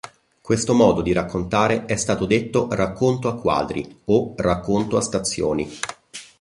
Questo modo di raccontare è stato detto "racconto a quadri" o "racconto a stazioni".